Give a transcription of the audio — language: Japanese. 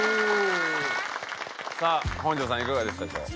さあ本条さんいかがでしたでしょう？